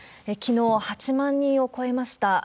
きのう、８万人を超えました。